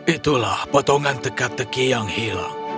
itulah potongan teka teki yang hilang